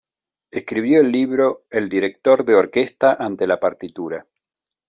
Escribió el libro: "El director de orquesta ante la partitura"